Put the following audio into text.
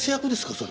それ。